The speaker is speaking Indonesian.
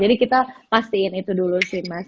jadi kita pastiin itu dulu sih mas